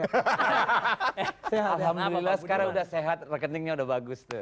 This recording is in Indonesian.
alhamdulillah sekarang udah sehat rekeningnya udah bagus tuh